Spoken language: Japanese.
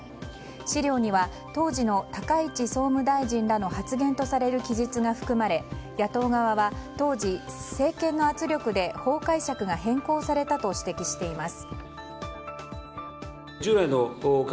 資料には当時の高市総務大臣らの発言とされる記述が含まれ、野党側は当時、政権の圧力で法解釈が変更されたと指摘しています。